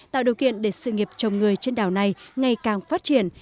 tạo điều kiện để sự nghiệp chồng người trên đảo này ngày càng phát triển